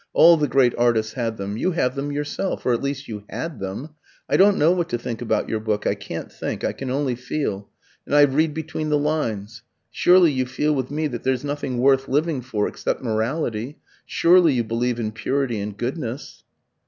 All the great artists had them. You have them yourself, or at least you had them. I don't know what to think about your book I can't think, I can only feel; and I read between the lines. Surely you feel with me that there's nothing worth living for except morality? Surely you believe in purity and goodness?"